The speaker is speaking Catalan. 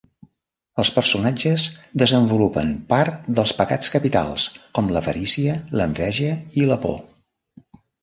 Els personatges desenvolupen part dels pecats capitals, com l'avarícia, l'enveja i la por.